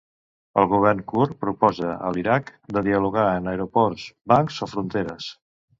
El govern kurd proposa a l'Iraq de dialogar en aeroports, bancs o fronteres.